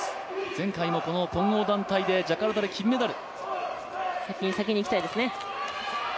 前回も混合団体のジャカルタで金メダル。